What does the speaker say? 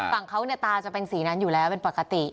ฝั่งเขาเนี่ยตาจะเป็นสีนั้นอยู่แล้วเป็นปกติ